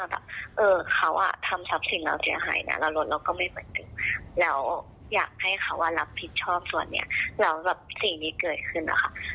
แล้วสิ่งนี้เกิดขึ้นแล้วค่ะ